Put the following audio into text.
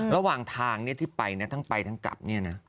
ระหว่างทางที่ไปนะทั้งไปทั้งกลับเนี่ยนะ